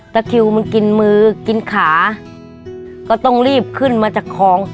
แต่ทิวกินมือกินขาก็ต้องรีบขึ้นมาจากของ